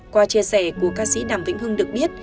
qua chia sẻ của ca sĩ đàm vĩnh hưng được biết